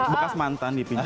bekas mantan dipinjam